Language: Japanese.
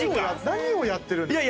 何をやってる。